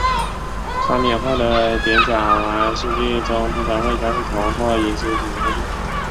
商品化的碘甲烷试剂中通常会加入铜或银丝使其稳定。